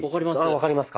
分かります。